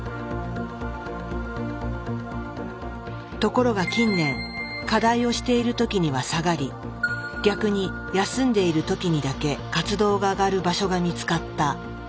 ところが近年課題をしている時には下がり逆に休んでいる時にだけ活動が上がる場所が見つかった。